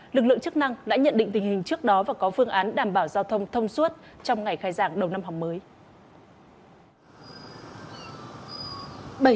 lực lượng chức năng đã nhận định tình hình trước đó và có phương án đảm bảo giao thông thông suốt trong ngày khai giảng đầu năm học mới